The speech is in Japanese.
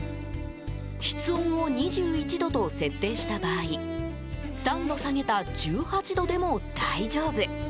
室温を２１度と設定した場合３度下げた１８度でも大丈夫。